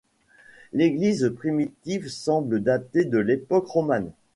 L'église primitive semble dater de l'époque romane.